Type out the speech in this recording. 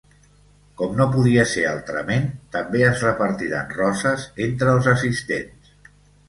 Com no podia ser altrament, també es repartiran roses entre els assistents.